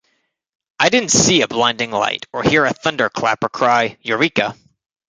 I didn't see a blinding light or hear a thunder clap or cry 'Eureka!